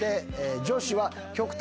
女子は極端に。